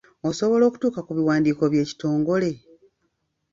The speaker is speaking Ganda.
Osobola okutuuka ku biwandiiko by'ekitongole?